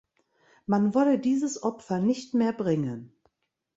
Man wolle dieses Opfer nicht mehr bringen.